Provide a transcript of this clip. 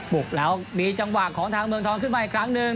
กแล้วมีจังหวะของทางเมืองทองขึ้นมาอีกครั้งหนึ่ง